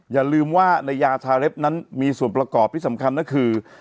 อย่าลืมว่าในยาทาเล็บนั้นมีส่วนประกอบที่สำคัญก็คือ